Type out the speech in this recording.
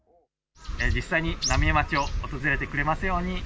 実際に浪江町を訪れてくれますように。